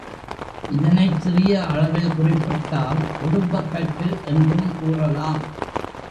இதனைச் சிறிய அளவில் குறிப்பிட்டால் குடும்பப் பற்று என்றும் கூறலாம்.